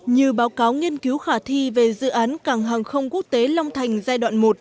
như báo cáo nghiên cứu khả thi về dự án cảng hàng không quốc tế long thành giai đoạn một